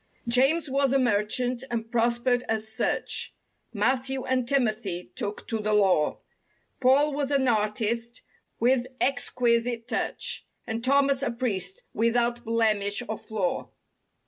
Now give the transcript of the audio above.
James was a merchant and prospered as such; * Matthew and Timothy took to the law; Paul was an artist with exquisite touch. And Thomas, a priest, without blemish or flaw.